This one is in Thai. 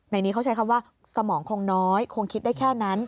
ในนี้เขาใช้คำว่าสมองคงน้อยคงคิดได้แค่นั้น